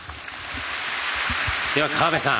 では河辺さん